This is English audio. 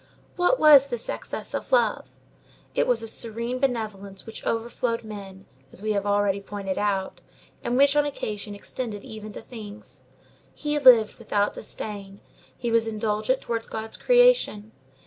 What was this excess of love? It was a serene benevolence which overflowed men, as we have already pointed out, and which, on occasion, extended even to things. He lived without disdain. He was indulgent towards God's creation.